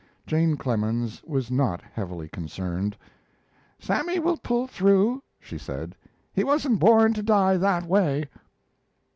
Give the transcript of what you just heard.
Jane Clemens was not heavily concerned. "Sammy will pull through," she said; "he wasn't born to die that way."